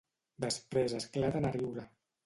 Després esclaten a riure.